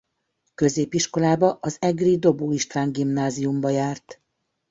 Középiskolába az egri Dobó István Gimnáziumba járt.